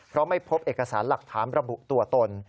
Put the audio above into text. เพราะไม่พบเอกสารหลักฐานระบุตัวตน